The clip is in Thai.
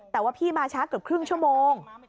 แต่ว่าพี่มาช้าเกือบครึ่งชั่วโมง